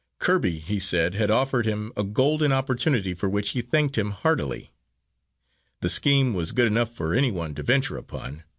Kirby, he said, had offered him a golden opportunity for which he thanked him heartily. The scheme was good enough for any one to venture upon.